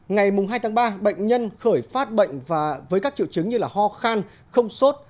ngày hai tháng ba bệnh nhân khởi phát bệnh và với các triệu chứng như ho khan không sốt